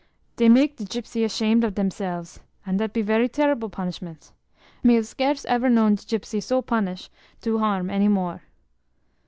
Dey make de gypsy ashamed of demselves, and dat be ver terrible punishment; me ave scarce ever known de gypsy so punish do harm any more."